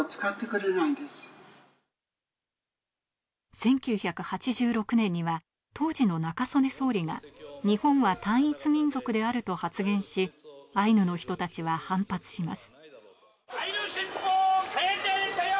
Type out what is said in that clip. １９８６年には、当時の中曽根総理が日本は単一民族であると発言し、アイヌの人たちは反発します。